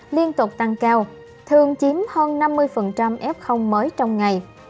liên tục tăng cao thường chiếm hơn năm mươi f mới trong ngày